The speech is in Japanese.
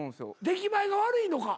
出来栄えが悪いのか？